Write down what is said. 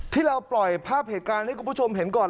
ที่เราปล่อยภาพเหตุการณ์ให้คุณผู้ชมเห็นก่อน